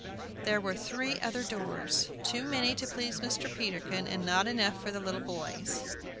There were three other doors, too many to please Mr. Peterkin, and not enough for the little boys.